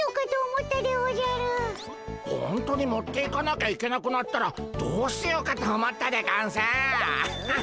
ほんとに持っていかなきゃいけなくなったらどうしようかと思ったでゴンス。